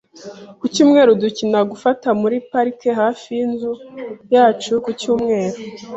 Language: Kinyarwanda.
Ku cyumweru, dukina gufata muri parike hafi yinzu yacu ku cyumweru .